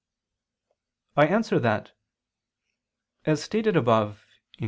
I answer that, As stated above (Q.